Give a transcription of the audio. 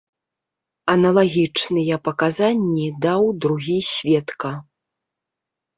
Аналагічныя паказанні даў другі сведка.